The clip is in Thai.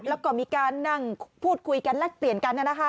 แล้วก็มีการนั่งพูดคุยกันและเตียนกันอะนะคะ